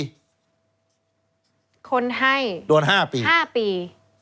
คนให้โดน๕ปี๕ปี